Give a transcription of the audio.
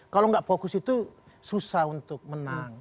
kalau nggak fokus itu susah untuk menang